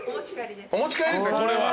お持ち帰りですねこれは。